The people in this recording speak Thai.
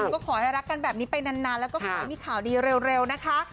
ก็ขอให้รักกันแบบนี้ไปนานแล้วก็ขอให้มีข่าวดีเร็วนะคะ